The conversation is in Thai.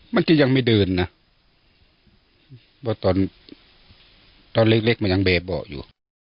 มันก็ยังไม่เดินนะตอนเล็กมันยังเบบออกอยู่